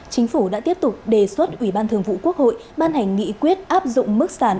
chính phủ đã tiếp tục đề xuất ủy ban thường vụ quốc hội ban hành nghị quyết áp dụng mức sản